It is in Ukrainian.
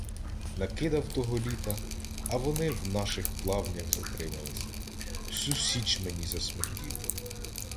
Накидав того літа, а вони в наших плавнях затрималися — всю січ мені засмерділи.